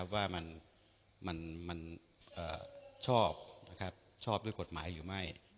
ว่ามันชอบชอบด้วยกฎหมายหรือไม่